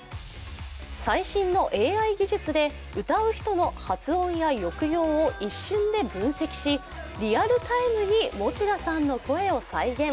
最新のＡＩ技術で歌う人の発音や抑揚を一瞬で分析し、リアルタイムに持田さんの声を再現。